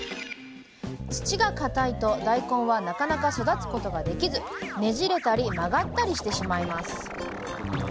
土がかたいと大根はなかなか育つことができずねじれたり曲がったりしてしまいます。